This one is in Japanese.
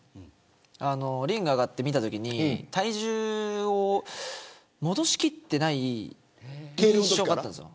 リングに上がって見たときに体重を戻しきってない印象だったんです。